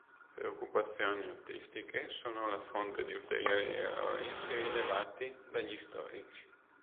Preoccupazioni artistiche sono la fonte di ulteriori errori se rilevati dagli storici.